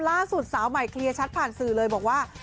ล่าสุดสาวใหม่เคลียร์ชัดผ่านสื่อเลยบอกว่า